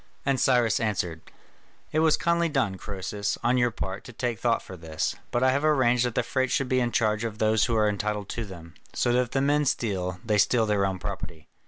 And Cyrus answered: "It was kindly done, Croesus, on your part, to take thought for this: but I have arranged that the freights should be in charge of those who are entitled to them, so that if the men steal, they steal their own property."